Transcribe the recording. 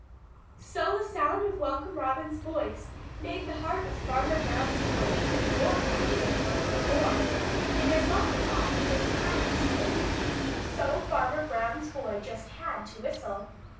So the sound of Welcome Robin's voice made the heart of Farmer Brown's boy even more happy than it was before, and as Welcome Robin just HAD to sing, so Farmer Brown's boy just HAD to whistle.